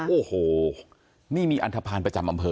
โอ้โหนี่มีอันทภาณประจำอำเภอ